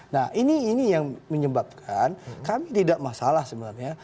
nah ini yang menyebabkan kami tidak masalah sebenarnya